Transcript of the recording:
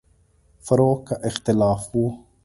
فروع کې اختلاف و.